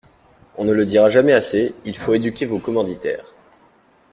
On ne le dira jamais assez: il faut éduquer vos commanditaires.